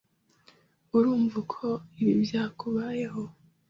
Urumva uko ibi byakubayeho?